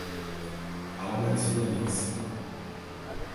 Álvares Florence